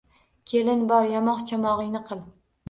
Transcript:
Kelin bor yamoq-chamog‘ingni qil